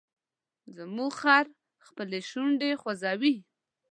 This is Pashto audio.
زموږ خر خپلې شونډې خوځوي.